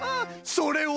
それは。